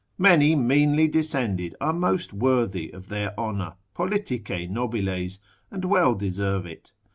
Many meanly descended are most worthy of their honour, politice nobiles, and well deserve it.